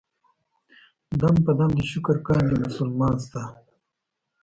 دم په دم دې شکر کاندي مسلمان ستا.